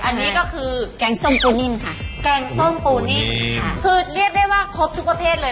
อันนี้ก็คือแกงส้มปูนิ่มค่ะแกงส้มปูนิ่มค่ะคือเรียกได้ว่าครบทุกประเภทเลย